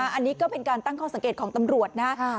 อันนี้ก็เป็นการตั้งข้อสังเกตของตำรวจนะครับ